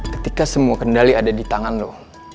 ketika semua kendali ada di tangan loh